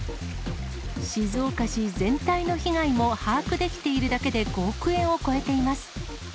静岡市全体の被害も把握できているだけで５億円を超えています。